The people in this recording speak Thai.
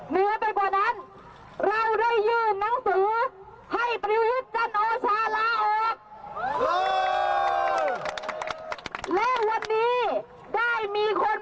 และวันนี้ได้มีคนมารับ